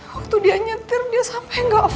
waktu dia nyetir dia sampai gak fokus gak konsen